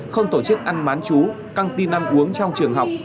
không tổ chức ăn bán chú căng tin ăn uống trong trường học